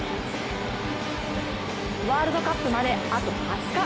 ワールドカップまであと２０日。